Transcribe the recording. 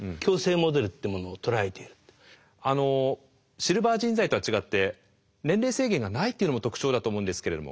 シルバー人材とは違って年齢制限がないっていうのも特徴だと思うんですけれども。